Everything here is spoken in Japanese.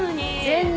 全然。